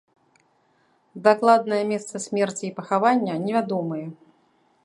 Дакладнае месца смерці і пахавання невядомыя.